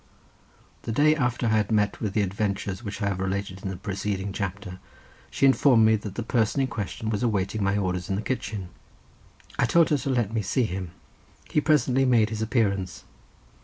The day after I had met with the adventures which I have related in the preceding chapter, she informed me that the person in question was awaiting my orders in the kitchen. I told her to let me see him. He presently made his appearance.